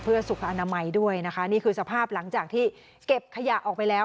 เพื่อสุขอนามัยด้วยนะคะนี่คือสภาพหลังจากที่เก็บขยะออกไปแล้ว